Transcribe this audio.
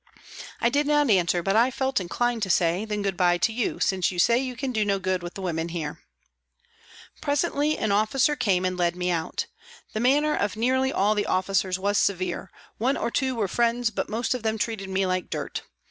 I did not answer, but I felt inclined to say " Then good bye to you. since you say you can do no good with the women here." Presently an officer came and led me out. The manner of nearly all the officers was severe ; one or two were friends but most of them treated me like dirt.